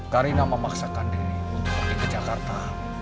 karina memaksakan diri untuk pergi ke jakarta